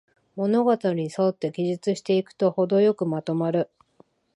物語にそって記述していくと、ほどよくまとまる